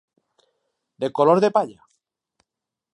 De color de palla.